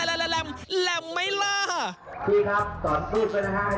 พี่ครับสอนพูดก่อนนะค่ะให้ดูผมเป็นตัวอย่างนะครับ